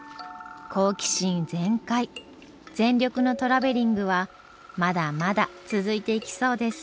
好奇心全開全力のトラベリングはまだまだ続いていきそうです。